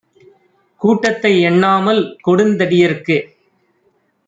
கூட்டத்தை எண்ணாமல், கொடுந்தடி யர்க்கு